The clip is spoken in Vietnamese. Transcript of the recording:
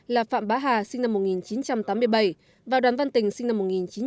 là phạm bá hà sinh năm một nghìn chín trăm tám mươi bảy và đoàn văn tình sinh năm một nghìn chín trăm tám mươi